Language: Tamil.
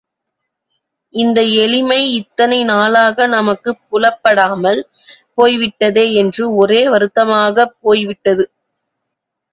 இந்த எளிமை இத்தனை நாளாக நமக்குப் புலப்படாமல் போய் விட்டதே என்று ஒரே வருத்தமாகப் போய்விட்டது.